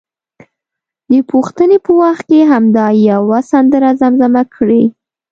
د پوښتنې په وخت کې همدا یوه سندره زمزمه کړي.